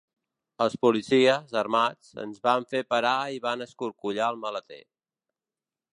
Els policies, armats, ens van fer parar i van escorcollar el maleter.